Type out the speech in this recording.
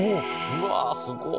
うわすご！